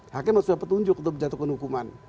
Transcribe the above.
hakim maksudnya petunjuk untuk menjatuhkan hukuman